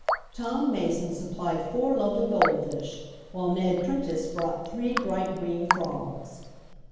Tom Mason supplied four lovely gold fish, while Ned Prentice brought three bright green frogs.